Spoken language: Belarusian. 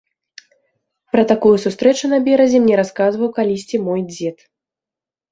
Пра такую сустрэчу на беразе мне расказваў калісьці мой дзед.